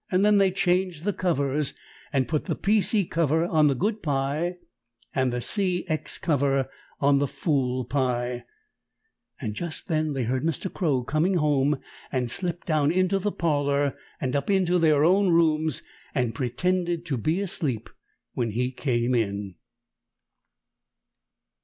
Then they changed the covers and put the P. C. cover on the good pie and C. X. cover on the fool pie, and just then they heard Mr. Crow coming home, and slipped down into the parlor and up into their own rooms and pretended to be asleep when he came in.